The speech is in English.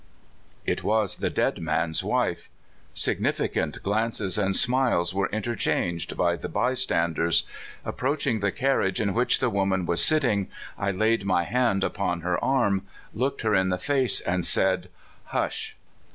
It was the dead man's wife. Significant glances and smiles were interchanged by the by standers. Approaching the carriage in w T hich the woman 88 CALIFORNIA S was sitting, I laid my hand upon her arm, looked her in the face, and said : "Hush!"